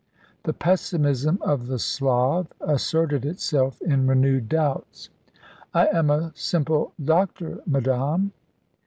The pessimism of the Slav asserted itself in renewed doubts. "I am a simple doctor, madame."